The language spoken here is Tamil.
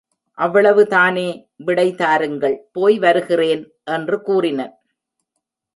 அவ்வளவு தானே, விடை தாருங்கள், போய்வருகிறேன் என்று கூறினன்.